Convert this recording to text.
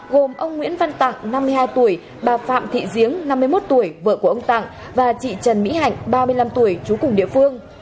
gồm ông nguyễn văn tặng năm mươi hai tuổi bà phạm thị giếng năm mươi một tuổi vợ của ông tặng và chị trần mỹ hạnh ba mươi năm tuổi chú cùng địa phương